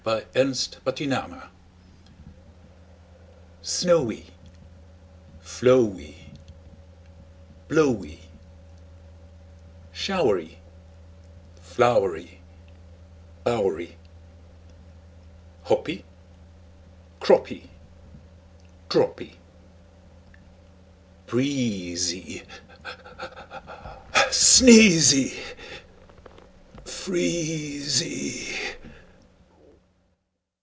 Y Z The Twelve Months SNOWY, Flowy, Blowy, Showery, Flowery, Bowery, Hoppy, Croppy, Droppy, Breezy, Sneezy, Freezy.